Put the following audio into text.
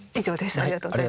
ありがとうございます。